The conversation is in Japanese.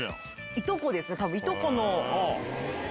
いとこですね多分。